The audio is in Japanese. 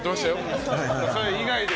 それ以外で。